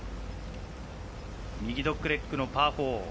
右ドッグレッグのパー４。